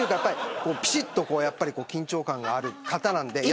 ぴしっと緊張感がある方なんで。